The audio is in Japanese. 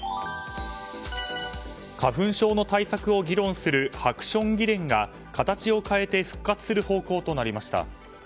花粉症の対策を議論するハクション議連が形を変えて復活する方向となりました。